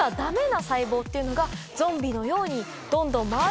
っていうのがゾンビのようにどんどん。